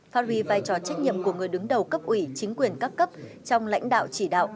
phát huy vai trò trách nhiệm của người đứng đầu cấp ủy chính quyền các cấp trong lãnh đạo chỉ đạo